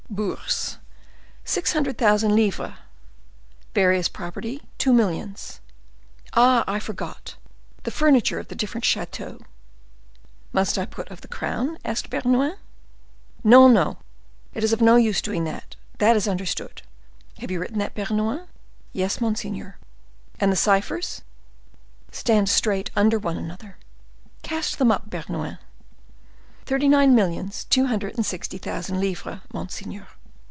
"Bourse, six hundred thousand livres; various property, two millions. Ah! I forgot—the furniture of the different chateaux—" "Must I put of the crown?" asked Bernouin. "No, no; it is of no use doing that—that is understood. Have you written that, Bernouin?" "Yes, monseigneur." "And the ciphers?" "Stand straight under one another." "Cast them up, Bernouin." "Thirty nine millions two hundred and sixty thousand livres, monseigneur."